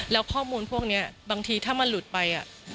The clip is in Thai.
แล้วข้อมูลพวกนี้บางทีถ้ามันหลุดไป